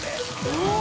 うわ！